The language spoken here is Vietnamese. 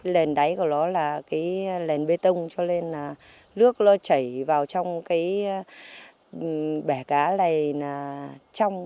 lén đáy của nó là cái lén bê tông cho nên là nước nó chảy vào trong cái bẻ cá này là trong